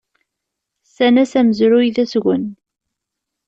Ssan-as amezruy d asgen.